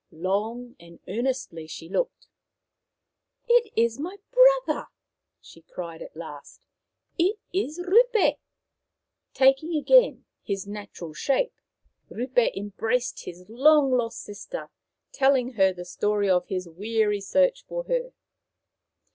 Long and earnestly she looked. " It is my brother !" she cried at last. "It is Rupe." Taking again his natural shape, Rupe embraced his long lost sister, telling her the story of his weary search for her.